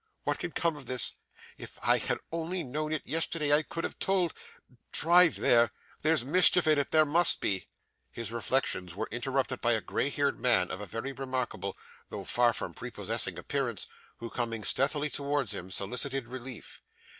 What can come of this? If I had only known it yesterday I could have told drive there! There's mischief in it. There must be.' His reflections were interrupted by a grey haired man of a very remarkable, though far from prepossessing appearance, who, coming stealthily towards him, solicited relief.